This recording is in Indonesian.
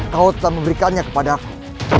kau telah memberikannya kepada aku